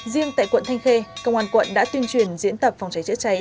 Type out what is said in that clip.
riêng tại quận thanh khê công an quận đã tuyên truyền diễn tập phòng cháy chữa cháy